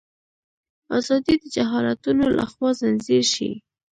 ازادي د جهالتونو لخوا ځنځیر شي.